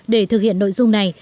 để thực hiện nội dung này